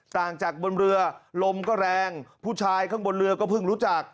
ต่างจากบนเรือลมก็แรงผู้ชายข้างบนเรือก็เพิ่งรู้จัก